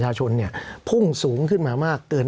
สำหรับกำลังการผลิตหน้ากากอนามัย